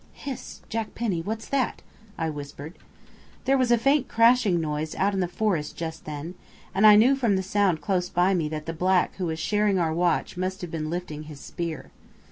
"Hist! Jack Penny, what's that?" I whispered. There was a faint crashing noise out in the forest just then, and I knew from the sound close by me that the black who was sharing our watch must have been lifting his spear.